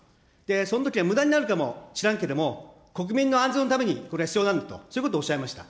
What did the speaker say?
そのときはむだになるかもしれないけども、国民の安全のためにこれは必要なんだと、そういうことをおっしゃいました。